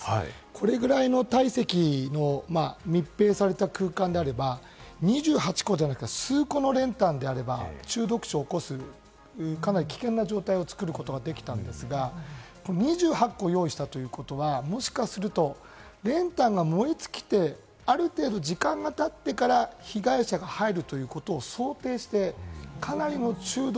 これぐらいの体積の密閉された空間であれば、２８個じゃなく、数個の練炭であれば中毒死を起こす、かなり危険な状態を作ることができたんですが、２８個用意したということは、もしかすると練炭が燃え尽きて、ある程度、時間が経ってから被害者が入るということを想定して、かなりの中毒。